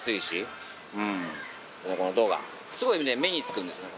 この「ド」がすごい目につくんですね。